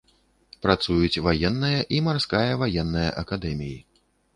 Працуюць ваенная і марская ваенная акадэміі.